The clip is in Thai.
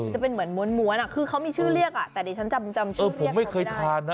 จะเป็นเหมือนม้วนคือเขามีชื่อเรียกแต่เดี๋ยวฉันจำชื่อเรียกเขาไม่ได้